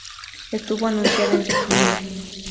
Estuvo anunciada en septiembre.